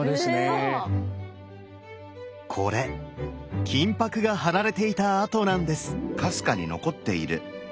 これ金箔が貼られていた跡なんです。